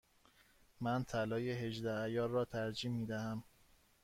من طلای هجده عیار را ترجیح می دهم.